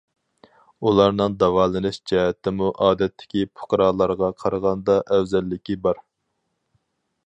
ئۇلارنىڭ داۋالىنىش جەھەتتىمۇ ئادەتتىكى پۇقرالارغا قارىغاندا ئەۋزەللىكى بار.